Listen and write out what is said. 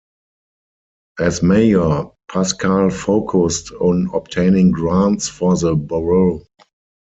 As Mayor, Pascal focused on obtaining grants for the Borough.